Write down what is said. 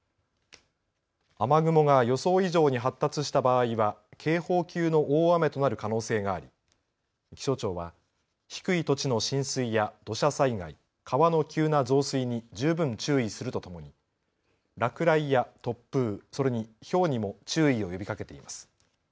雨雲が予想以上に発達した場合は警報級の大雨となる可能性があり気象庁は低い土地の浸水や土砂災害、川の急な増水に十分注意するとともに落雷や突風、それにひょうにも注意を呼びかけています。